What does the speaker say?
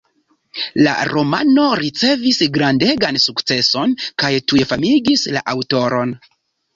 La romano ricevis grandegan sukceson, kaj tuj famigis la aŭtoron.